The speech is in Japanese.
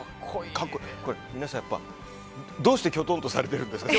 皆さん、どうしてきょとんとされてるんですか？